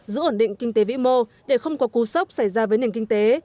giữ ổn định kinh tế vĩ mô để không có cú sốc xảy ra với nền kinh tế